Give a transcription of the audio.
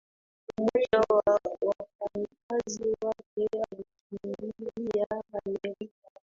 mmoja wa wafanyikazi wake alikimbilia amerika